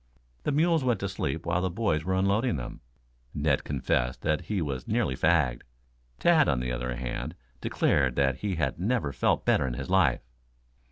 The mules went to sleep while the boys were unloading them. Ned confessed that he was nearly fagged. Tad, on the other hand, declared that he had never felt better in his life.